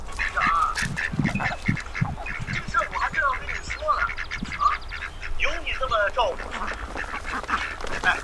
此演示实验中镜子起到调整日光出射水面角度的作用。